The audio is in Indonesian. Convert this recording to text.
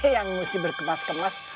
yang mesti berkemas kemas